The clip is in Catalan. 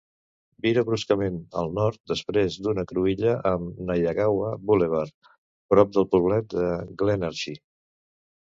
Vira bruscament al nord després d'una cruïlla amb Neyagawa Boulevard, prop del poblet de Glenarchy.